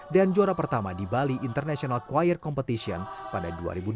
dan juara pertama di bali international choir competition pada dua ribu dua belas